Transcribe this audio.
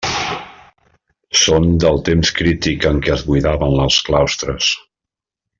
Són del temps crític en què es buidaven els claustres.